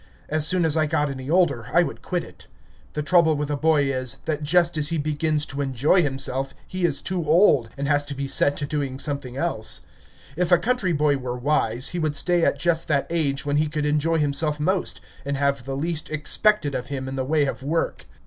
As soon as I got any older, I would quit it. The trouble with a boy is, that just as he begins to enjoy himself he is too old, and has to be set to doing something else. If a country boy were wise, he would stay at just that age when he could enjoy himself most, and have the least expected of him in the way of work.